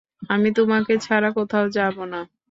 আমি তোমাকে ছাড়া কোথাও যাবো না।